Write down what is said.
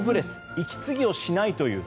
息継ぎをしないという。